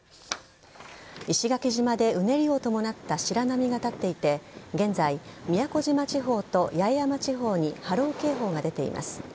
石垣島でうねりを伴った白波が立っていて現在、宮古島地方と八重山地方に波浪警報が出ています。